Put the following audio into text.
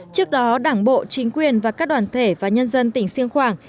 trước đó đảng bộ chính quyền và các đoàn thể và nhân dân tỉnh siêng khoảng